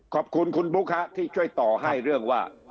ขอบคุณคุณบุ๊คที่ช่วยต่อให้เรื่องว่า